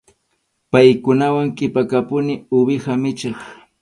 Paykunawan qhipakapuni uwiha michiq.